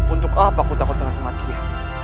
untuk apa aku takut dengan kematian